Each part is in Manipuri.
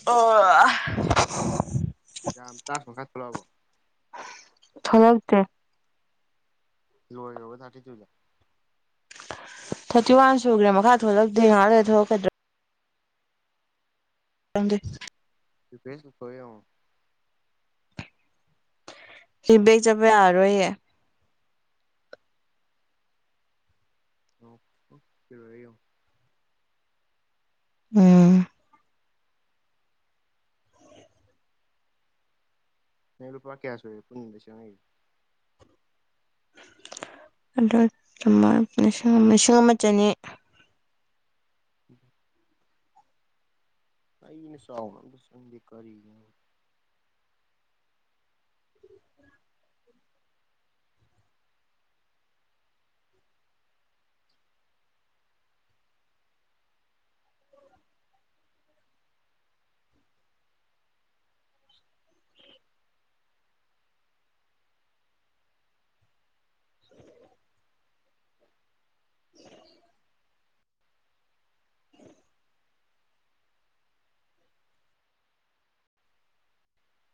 ꯑꯣ ꯌꯥꯝ ꯇꯥ ꯁꯪꯁꯥ ꯊꯂꯕ ꯊꯖꯛꯇꯦ ꯂ ꯌ ꯊ ꯊꯧꯦ ꯊꯥꯔꯇꯤ ꯋꯥꯟ ꯁꯨꯈ꯭ꯔꯦ ꯃꯈꯥ ꯊꯣꯛꯂꯛꯇꯦ ꯉꯥꯏꯔ ꯊꯣꯛꯂꯛꯀꯗ꯭ꯔꯣ ꯊꯪꯦ ꯐꯦꯁꯕꯨꯛ ꯐꯨ ꯁꯤ ꯕꯦꯛ ꯆꯠꯄ ꯌꯥꯔꯣꯏꯌꯦ ꯑꯣ ꯐ ꯍꯥꯏꯌ ꯎꯝ ꯅ ꯂꯨꯄꯥ ꯀꯌꯥꯁꯨ ꯑꯣꯏꯌꯦ ꯄꯨꯟꯅꯤꯡꯗꯦꯉ ꯑꯗꯨꯒ ꯂꯤꯁꯤꯡ ꯑꯃ ꯆꯅꯤ ꯎꯝ ꯑ ꯏꯅꯦ ꯁꯥꯥꯎꯅꯗꯤ ꯀꯔꯤ [inaudible] ꯎꯝ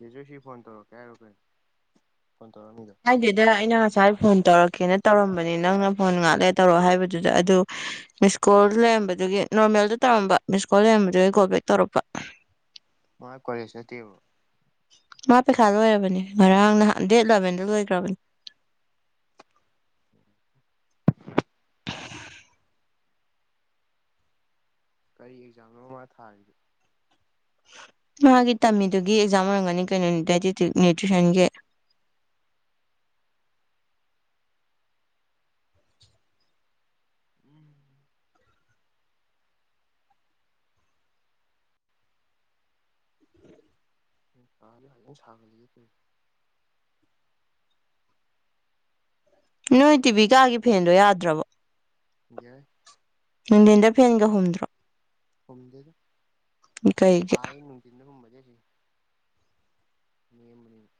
ꯌꯦꯁ ꯁꯤ ꯐꯣꯟ ꯇꯧꯔꯛꯀꯦ ꯍꯥꯏꯔꯣ ꯀꯩꯅꯣ ꯐꯣꯟ ꯇꯧꯔꯛꯑꯅꯤꯗꯣ ꯍꯥꯏꯗꯦꯗ ꯑꯩꯅ ꯉꯁꯥꯏ ꯐꯣꯟ ꯇꯧꯔꯛꯀꯦꯅ ꯇꯧꯔꯝꯕꯅꯤ ꯅꯪꯅ ꯐꯣꯟ ꯉꯥꯛꯂꯦ ꯇꯧꯔꯣꯑꯣ ꯍꯥꯏꯕꯗꯨꯗ ꯑꯗꯨ ꯃꯤꯁꯀꯣꯜ ꯂꯩꯔꯝꯕꯗꯨꯒꯤ ꯅꯣꯔꯃꯦꯜꯗ ꯇꯧꯔꯝꯕ ꯃꯤꯁꯀꯣꯜ ꯂꯩꯔꯝꯕꯗꯨꯒꯤ ꯒꯣꯜ ꯕꯦꯛ ꯇꯧꯔꯛꯄ ꯃꯥꯣꯏ ꯀꯣꯦꯖ ꯅꯠꯇꯦꯕ ꯃꯥ ꯄꯩꯈꯥ ꯂꯣꯏꯔꯕꯅꯤ ꯉꯔꯥꯡ ꯅꯍꯥꯟ ꯗꯦꯠ ꯂꯂꯕꯦꯟꯗ ꯂꯣꯏꯈ꯭ꯔꯕꯅꯤ ꯀꯔꯤ ꯑꯦꯛꯖꯥꯝ ꯑꯃ ꯊꯥꯔꯤꯒꯦ ꯃꯥꯒꯤ ꯇꯝꯃꯤꯗꯨꯒꯤ ꯑꯦꯛꯖꯥꯝ ꯑꯣꯏꯔꯝꯒꯅꯤ ꯀꯩꯅꯣꯅꯤ ꯗꯥꯏꯇꯤꯛ ꯅ꯭ꯌꯨꯇ꯭ꯔꯤꯁꯟꯒꯤ [unintelligible] ꯎꯝ ꯇꯥꯗꯤ [unintelligible] [unintelligible] ꯇꯨꯡ ꯅꯣꯏ ꯇꯤꯚ ꯀꯥꯒꯤ ꯐꯦꯟꯗꯣ ꯌꯥꯗ꯭ꯔꯕꯣ ꯌꯥꯏ ꯅꯨꯡꯊꯝꯟꯗ ꯐꯦꯟꯒ ꯍꯨꯝꯗ꯭ꯔꯣ ꯍꯨꯝꯗꯦꯗ ꯀꯩꯒꯤ ꯁꯥꯏ ꯅꯨꯡꯊꯤꯟꯗ ꯍꯨꯝꯕꯁꯦ ꯑꯁꯤ [unintelligible]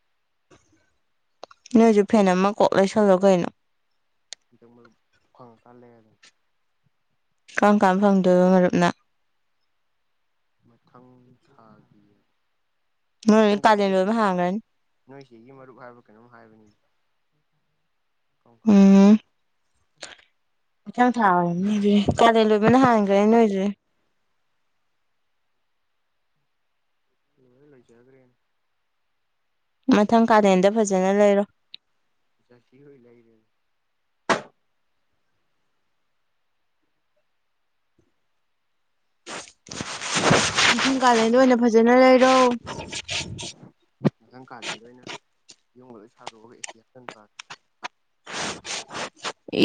ꯅꯣꯏꯁꯨ ꯐꯦꯟ ꯑꯃ ꯀꯣꯛ ꯂꯩꯁꯜꯂꯣ ꯀꯩꯅꯣ ꯏ ꯃ ꯈꯪ ꯀꯥ ꯂꯩꯒ ꯀꯔꯝ ꯀꯔꯝꯕ ꯐꯪꯗꯣꯏꯕ ꯃꯔꯨꯞꯅ ꯃꯊꯪ ꯊꯥꯒꯤ ꯅꯣꯏ ꯈꯪꯗꯦ ꯀꯥꯂꯦꯟ ꯅꯣꯏꯁꯤ ꯂꯣꯏꯕ ꯍꯥꯡꯈ꯭ꯔꯅꯤ ꯅꯣꯏꯁꯤꯒꯤ ꯃꯔꯨꯞ ꯍꯥꯏꯕ ꯀꯩꯅꯣꯝ ꯍꯥꯏꯕꯅꯤ ꯎꯝ ꯍꯊꯥꯡ ꯊꯥ ꯑꯣꯏꯔꯅꯦ ꯀꯥꯗꯩ ꯂꯣꯏꯕꯅ ꯍꯥꯡꯈ꯭ꯔꯦ ꯅꯣꯏꯁ꯭ꯔꯦ ꯂꯣꯏ ꯂꯩꯖꯈ꯭ꯔꯦ ꯃꯊꯪ ꯀꯥꯂꯦꯟꯗ ꯐꯖꯅ ꯂꯩꯔꯣ [unintelligible] ꯑꯣꯏ ꯂꯩꯔꯦꯅꯦ [unintelligible] ꯏꯁꯤꯡ ꯀꯥꯂꯦꯟꯗ ꯑꯣꯏꯅ ꯐꯖꯅ ꯂꯩꯔꯣ ꯃꯊꯪ ꯀꯥꯂꯦꯟꯗ ꯑꯣꯏꯅ ꯌꯨꯝꯒ ꯂꯣꯏ ꯁꯥꯗꯣꯛꯑꯒ ꯑꯦꯁꯤ ꯍꯥꯟꯆꯟ ꯇꯥꯔꯦ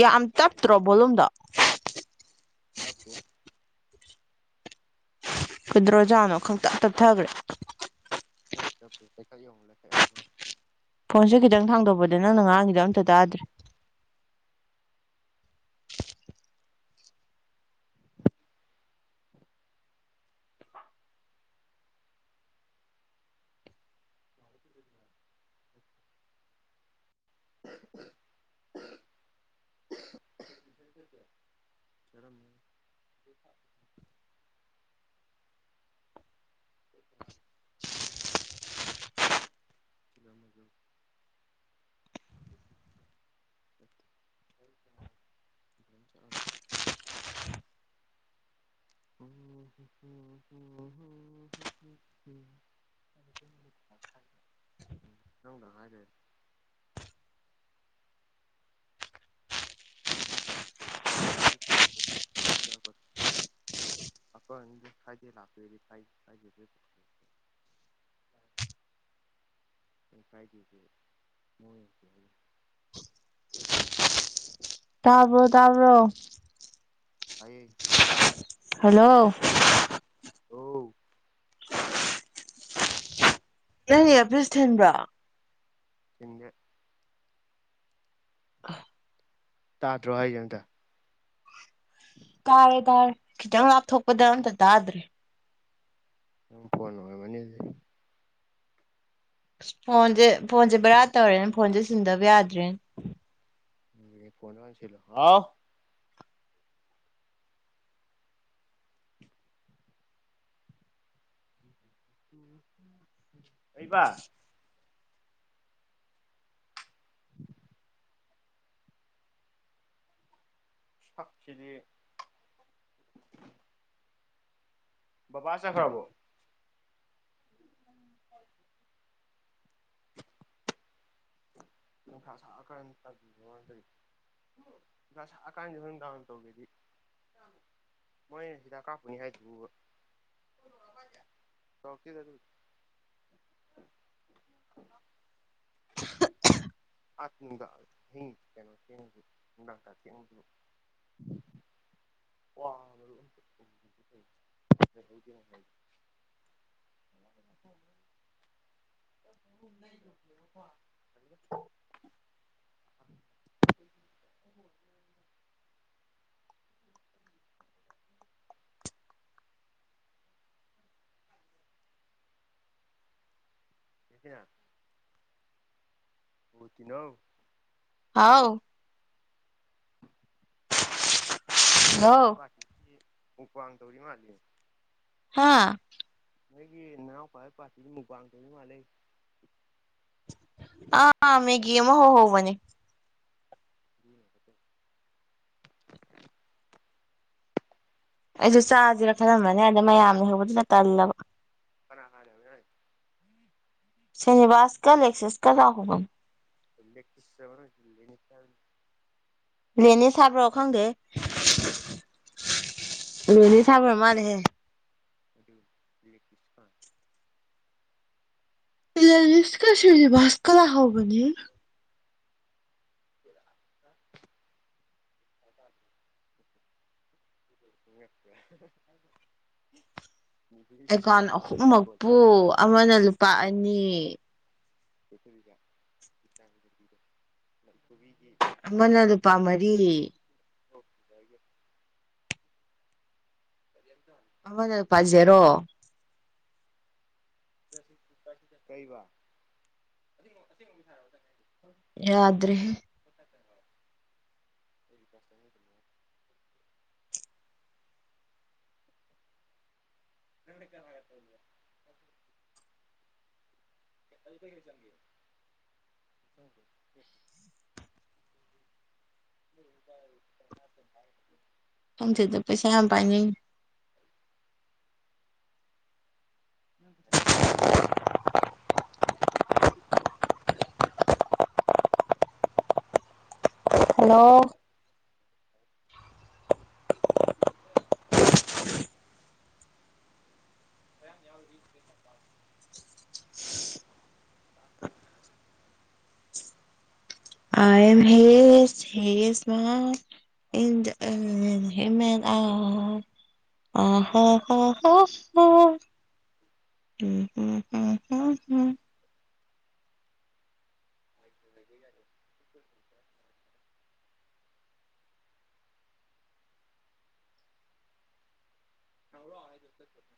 ꯌꯥꯝ ꯇꯞꯇ꯭ꯔꯣ ꯕꯣꯂꯨꯝꯗꯣ ꯇꯞꯇꯦ ꯀꯨꯗ꯭ꯔꯣꯖꯥꯠꯅꯣ ꯈꯪꯇꯞ ꯇꯞꯊꯈ꯭ꯔꯦ [unintelligible] [unintelligible] ꯌꯦꯉꯣ ꯐꯣꯟꯁꯦ ꯈꯤꯇꯪ ꯊꯥꯡꯗꯣꯛꯄꯗ ꯅꯪꯅ ꯉꯥꯡꯉꯤꯗꯣ ꯑꯝꯇ ꯇꯥꯗ꯭ꯔꯦ [unintelligible] [inaudible] [unintelligible] [unintelligible] [unintelligible] [unintelligible] [unintelligible] [unintelligible] [unintelligible] [unintelligible] [unintelligible] [unintelligible] [unintelligible] [unintelligible] [unintelligible] ꯐ꯭ꯔꯥꯏꯗꯦꯗꯤ ꯃꯣꯏ ꯇꯕ꯭ꯔꯣ ꯇꯥꯕ꯭ꯔꯣ ꯇꯥꯏꯌꯦ ꯍꯜꯂꯣ ꯑꯣ ꯅꯪ ꯑꯦꯌꯔꯄꯤꯁ ꯊꯤꯟꯕ꯭ꯔꯣ ꯊꯤꯟꯗꯦ [unintelligible] ꯇꯥꯗ꯭ꯔꯣ ꯍꯥꯏꯁꯦ ꯑꯝꯇ [inaudible] ꯇꯥꯔꯦ ꯇꯥꯔꯦ ꯈꯤꯇꯪ ꯂꯥꯞꯊꯣꯛꯄꯗ ꯑꯝꯇ ꯇꯥꯗ꯭ꯔꯦ ꯅꯪ ꯐꯣꯟꯅ ꯑꯣꯏꯔꯝꯃꯅꯤ ꯑꯗꯨꯗꯤ ꯑꯁ ꯐꯣꯟꯁꯦ ꯐꯣꯟꯁꯦ ꯕꯦꯔꯥ ꯇꯧꯔꯦꯅ ꯐꯣꯟꯁꯦ ꯁꯤꯟꯗꯕ ꯌꯥꯗ꯭ꯔꯦ [unintelligible] ꯍꯥꯎ [unintelligible] ꯀꯩꯕ ꯁꯛ ꯁꯤꯗꯤ ꯕꯥꯕꯥ ꯆꯠꯈ꯭ꯔꯕꯣ [inaudible] ꯅꯨꯡꯁꯥ ꯁꯥꯀꯥꯟꯗ [unintelligible] ꯁ ꯑꯀꯥꯟꯗ ꯅꯨꯡꯗꯥꯎꯟ ꯇꯧꯒꯦꯗꯤ ꯃꯣꯏ ꯍꯤꯗꯥꯛ ꯀꯥꯞꯄꯨꯅꯤ ꯍꯥꯏꯗꯨꯕꯨ ꯆꯧꯀꯤꯗ ꯑꯗꯨ ꯑꯠꯅꯗꯥ ꯍ ꯀꯩꯅꯣ ꯀ ꯀꯗ ꯋꯥ [unintelligible] [unintelligible] [unintelligible] [unintelligible] [unintelligible] ꯍꯥꯎ ꯑꯕꯨꯡ ꯍꯣꯏ ꯍꯜꯂꯣ ꯄꯥꯔꯇꯤꯁꯤ ꯄꯨꯛ ꯋꯥꯡ ꯇꯧꯔꯤ ꯃꯥꯜꯂꯤ ꯍꯥꯥ ꯅꯣꯏꯒꯤ ꯅꯅꯥꯎ ꯀꯋꯥꯕ ꯄꯥꯔꯇꯤꯗꯤ ꯃꯨꯛꯕꯥꯡꯗꯧ ꯃꯥꯜꯂ ꯑ ꯃꯦꯒꯤꯃ ꯍꯣ ꯍꯧ ꯃꯅꯦ ꯑꯩꯁꯨ ꯆꯥꯁꯤꯔ ꯈꯜꯂꯝꯃꯅꯦ ꯑꯗ ꯃꯌꯥꯝ ꯂꯩ ꯍꯧꯕꯗꯨꯅ ꯇꯜꯂꯕ ꯍꯔ ꯍꯥꯏꯔꯦ ꯍꯣꯏ ꯁꯤꯅꯤꯋꯥꯁ ꯀ ꯑꯂꯦꯛꯁꯁ ꯀ ꯂꯥꯛꯍꯧꯕꯅꯦ [unintelligible] ꯂꯦꯅꯦ ꯁꯥꯕ꯭ꯔꯣ ꯈꯪꯗꯦꯍꯦ [inaudible] [unintelligible] [unintelligible] [unintelligible] ꯂꯥꯛꯍꯧꯕꯅꯤ [unintelligible] ꯅꯨꯄꯤꯁꯤ ꯑꯦꯀꯥꯎꯟ ꯀꯨꯟ ꯐꯪꯕ ꯑꯍꯨꯝꯃꯛꯄꯨ ꯑꯃꯅ ꯂꯨꯄꯥ ꯑꯅꯤ [unintelligible] ꯑꯃꯅ ꯂꯨꯄꯥ ꯃꯔꯤ ꯑꯣꯀꯦ ꯊꯕꯤꯌꯣ [unintelligible] ꯑꯃꯅ ꯄꯥ ꯖꯦꯔꯣ [unintelligible] ꯀꯩꯕ [unintelligible] ꯌꯥꯗ꯭ꯔꯦꯍꯦ [inaudible] [unintelligible] [unintelligible] [unintelligible] ꯈꯪꯗꯦꯗ ꯄꯩꯁꯥ ꯌꯥꯝ ꯄꯥꯏꯅꯩ [unintelligible] ꯍꯜꯂꯣ [unintelligible] [unintelligible] [unintelligible] [unintelligible] [unintelligible] [unintelligible] [unintelligible] [inaudible] [unintelligible]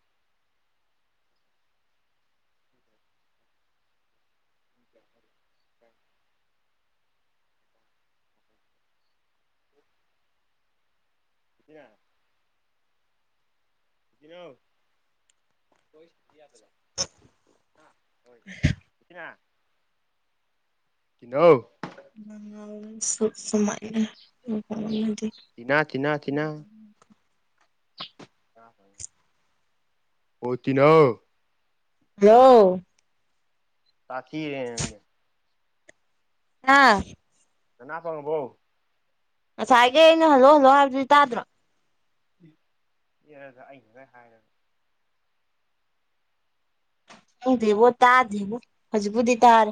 [inaudible] ꯁꯤꯅ ꯀꯤꯅꯣ [unintelligible] ꯀꯤꯅꯣ ꯁꯨ ꯁꯨꯃꯥꯏꯗꯤ ꯏꯅꯥ ꯊꯤꯅ ꯊꯤꯅ [unintelligible] ꯑꯣ ꯇꯤꯅꯥꯎ ꯍꯜꯂꯣ ꯁꯥꯊꯤꯍꯦ ꯅꯪꯗꯤ ꯑꯥ ꯅꯅꯥ ꯄꯪꯉꯕꯣ ꯉꯁꯥꯏꯒꯤ ꯑꯩꯅ ꯍꯜꯂꯣ ꯍꯜꯂꯣ ꯍꯥꯏꯕꯗꯨꯗꯤ ꯇꯥꯗ꯭ꯔꯣ ꯑꯦꯔꯗ ꯑꯩꯅ ꯂ ꯍꯥꯏꯔꯒ ꯈꯪꯗꯦꯕꯣ ꯇꯥ ꯗꯔꯤꯕꯣ ꯍꯧꯖꯤꯕꯨꯗꯤꯇꯥꯔꯦ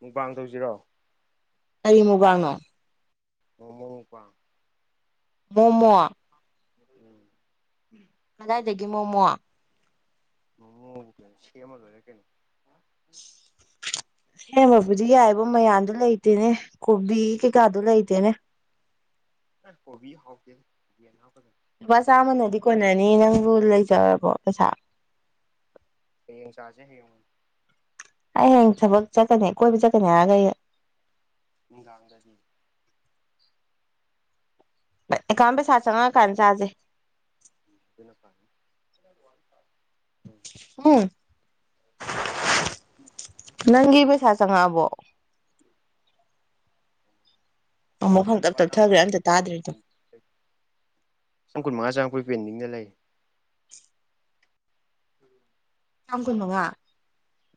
ꯃꯨꯛꯕꯥꯡ ꯇꯧꯁꯤꯔꯣ ꯀꯔꯤ ꯃꯨꯛꯕꯥꯡꯅꯣ ꯃꯣꯃꯣ ꯃꯨꯛꯕꯥꯡ ꯃꯣꯃꯣ ꯎꯝ ꯀꯗꯥꯏꯗꯒꯤ ꯃꯣꯃꯣ ꯎ ꯀꯅꯤ ꯁꯤ ꯑꯃꯗꯔꯦ ꯀꯅꯤ [inaudible] ꯁꯦꯝꯃꯕꯨꯗꯤ ꯌꯥꯏꯕ ꯃꯌꯥꯝꯗꯨ ꯂꯩꯇꯦꯅꯦ ꯀꯣꯕꯤ ꯀꯩꯀꯥꯗꯨ ꯂꯩꯇꯦꯅꯦ ꯀꯣꯕꯤ ꯍꯥꯎ ꯐ ꯂꯨꯄꯥ ꯆꯥꯝꯃꯅꯗꯤ ꯀꯣꯟꯅꯅꯤ ꯅꯪꯕꯨ ꯂꯩꯖꯔꯕꯣ ꯄꯩꯁꯥ ꯍꯌꯦꯡ ꯆꯥꯁꯦ ꯍꯌꯦꯡ ꯑꯩ ꯍꯌꯦꯡ ꯊꯕꯛ ꯆꯠꯀꯅꯤ ꯀꯣꯏꯕ ꯆꯠꯀꯅꯤ ꯍꯥꯏꯔꯒ ꯑꯩ ꯅꯨꯡꯗꯥꯡꯗꯗꯤ ꯑꯦ ꯑꯦꯀꯥꯎꯟ ꯄꯩꯁꯥ ꯆꯪꯉꯛꯑꯀꯥꯟ ꯆꯥꯁꯦ ꯑꯗꯨꯅ ꯐꯔꯦ ꯎꯝ ꯎꯝ ꯅꯪꯒꯤ ꯄꯩꯁꯥ ꯆꯪꯉꯛꯑꯕꯣ ꯑꯃꯨꯛ ꯆꯪꯉꯛꯇ꯭ꯔꯤꯌꯦ ꯈꯪꯇꯞ ꯂꯨꯄꯥ ꯆꯥꯝ ꯇꯞꯊꯈ꯭ꯔꯦ ꯀꯨꯟꯃꯉꯥ ꯑꯝꯇ ꯇꯥꯗ꯭ꯔꯦ ꯇꯨ ꯆꯥꯝꯀꯨꯟ ꯃꯉꯥ ꯆꯥꯃꯈꯣꯏ ꯄꯦꯟꯗꯤꯡ ꯂꯩ ꯎꯝ ꯆꯥꯝ ꯀꯨꯟꯃꯉꯥ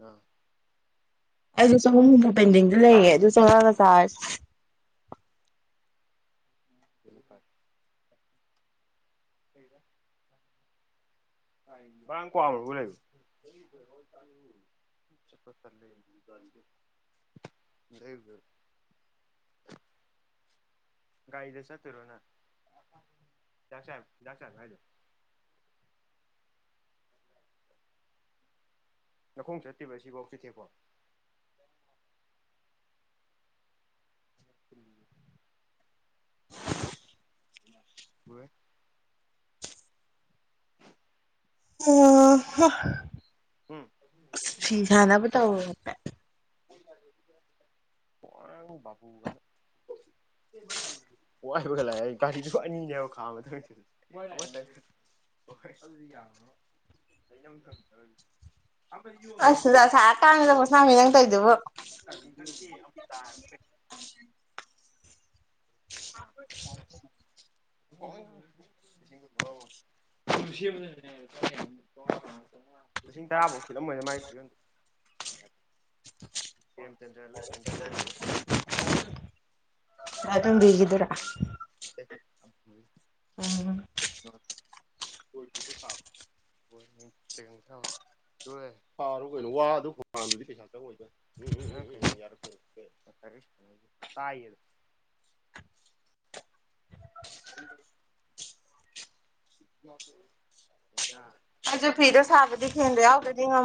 ꯑꯥ ꯑꯩꯁꯨ ꯆꯍꯨꯝ ꯍꯨꯝꯐꯨ ꯄꯦꯟꯗꯤꯡꯗ ꯂꯩꯔꯦ ꯑꯗꯨ ꯆꯪꯉꯥꯒ ꯆꯥꯔ ꯁꯤꯅꯤ ꯐꯥꯏ ꯀꯩꯕ ꯔꯥꯡ ꯀꯋꯥ ꯂ [unintelligible] [unintelligible] ꯒꯥꯔꯤꯗ ꯆꯠꯇꯨꯏꯔꯣ ꯅꯪ [unintelligible] ꯅꯈꯣꯡ ꯆꯠꯇꫭꯏꯕ ꯑꯁꯤꯐꯥꯎ ꯆꯨꯊꯦꯛꯕꯥꯎ [inaudible] ꯄꯨꯔꯦ [unintelligible] ꯎꯝ ꯐꯤꯁꯥꯅꯕ ꯇꯧꯔꯨꯏ ꯍꯥꯏꯐꯦꯠ ꯍꯔꯥꯡ ꯕꯨꯨꯒ [unintelligible] ꯋꯥꯏꯕꯒ ꯂꯥꯛꯑ ꯒꯥꯔꯤꯗꯨ ꯑꯅꯤꯅꯦꯕ ꯈꯥꯝꯃꯤꯗꯨ ꯍꫭꯏ ꯑꯗꯨꯗꯤ ꯌꯥꯔꯝ ꯃꯔꫭꯏ ꯑꯁ ꯅꯨꯡꯁꯥ ꯁꯥꯔꯀꯥꯟꯖꯤꯗ ꯄꫭꯁꯥꯝꯕꯤ ꯅꯪ ꯇꯧꯏꯗꯨꯕꯨ [unintelligible] [unintelligible] [unintelligible] ꯂꯤꯁꯤꯡ ꯇꯔꯥꯐꯧ ꯁꯤꯜꯂꯝ ꯑꯣꯏꯅ ꯃꯥꯏ ꯈꯨ ꯌꯣꯟꯗꯦ ꯄ꯭ꯔꯦꯝꯆꯟꯗ꯭ꯔ ꯂꯣꯏ ꯁꯦꯝꯖꯤꯜꯂꯤ [inaudible] ꯀꯥꯗꯨꯝꯕꯤꯒꯤꯗꯨꯔꯥ [unintelligible] ꯎꯝ [unintelligible] ꯅꫭꯏ ꯄꯥꯔꫭ ꯀꯩꯅꯣ ꯋꯥ ꯑꯗꯨ ꯍꯥꯝꯃꯗꯤ ꯄꯩꯁꯥ ꯆꯪ ꯉꫭꯏꯗ ꯎꯝꯝꯝꯝ ꯌꯥꯔꯛꯇ ꯇꯥꯏꯌꯦ ꯍ [inaudible] [unintelligible] ꯑ [inaudible] [unintelligible] ꯑꯩꯖꯨ ꯐꯤꯗꯨ ꯁꯥꯕꯗꯤ ꯐꯦꯟꯗꯨ ꯌꯥꯎꯗꯔꯗꯤ ꯉꯝ